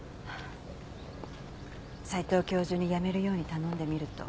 斎藤教授にやめるように頼んでみると。